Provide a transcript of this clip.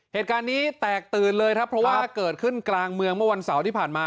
เหตุการณ์นี้แตกตื่นเลยครับเพราะว่าเกิดขึ้นกลางเมืองเมื่อวันเสาร์ที่ผ่านมา